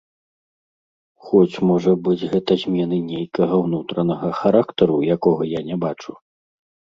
Хоць, можа быць, гэта змены нейкага ўнутранага характару, якога я не бачу?